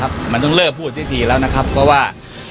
เราต้องเลิกพูดจริงแล้วนะครับเพราะพอว่า